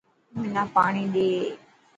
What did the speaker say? منا پاڻي ڏي.